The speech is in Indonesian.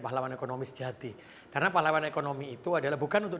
pahlawan ekonomi sejati karena pahlawan ekonomi itu adalah bukan untuk